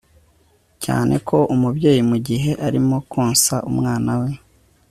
cyane ko umubyeyi mu gihe arimo konsa umwana we